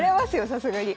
さすがに。